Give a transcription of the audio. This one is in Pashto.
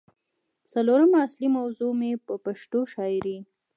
څلورمه اصلي موضوع مې پښتو شاعرۍ